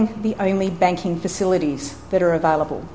menyediakan fasilitas bank yang hanya ada